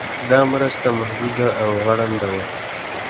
دا مرسته محدوده او غړنده وه.